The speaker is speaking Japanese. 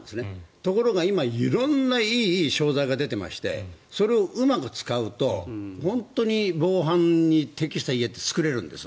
ところが今色々ないい商材が出ていましてそれをうまく使うと本当に防犯に適した家って作れるんです。